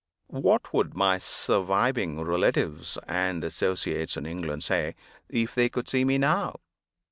What would my surviving relatives and associates in England say, if they could see me now?